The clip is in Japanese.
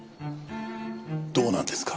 どうなんですか？